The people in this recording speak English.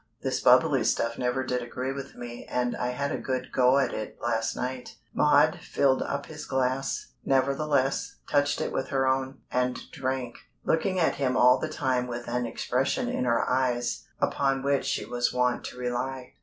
This bubbly stuff never did agree with me and I had a good go at it last night." Maud filled up his glass, nevertheless, touched it with her own, and drank, looking at him all the time with an expression in her eyes upon which she was wont to rely.